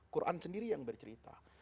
quran sendiri yang bercerita